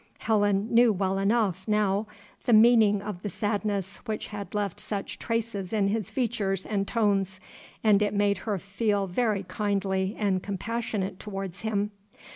Helen knew well enough, now, the meaning of the sadness which had left such traces in his features and tones, and it made her feel very kindly and compassionate towards him.